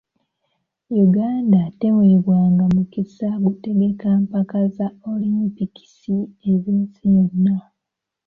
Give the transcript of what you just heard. Uganda teweebwanga mukisa kutegeka mpaka za olimpikisi ez’ensi yonna.